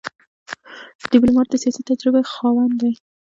ډيپلومات د سیاسي تجربې خاوند وي.